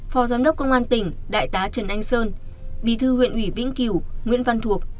phó giám đốc công an tỉnh đại tá trần anh sơn bí thư huyện ủy vĩnh cửu nguyễn văn thuộc